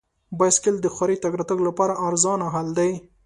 بایسکل د ښاري تګ راتګ لپاره ارزانه حل دی.